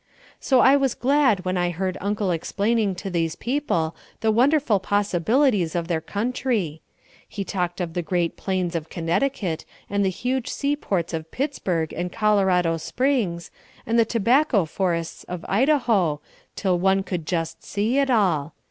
So I was glad when I heard Uncle explaining to these people the wonderful possibilities of their country. He talked of the great plains of Connecticut and the huge seaports of Pittsburg and Colorado Springs, and the tobacco forests of Idaho till one could just see it all.